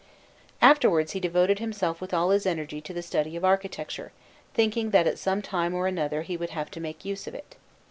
Afterwards he devoted himself with all his energy to the study of architecture, thinking that at some time or another he would have to make use of it.